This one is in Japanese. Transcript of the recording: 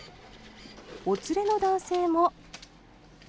お連れの男性も。